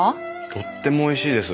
とってもおいしいです。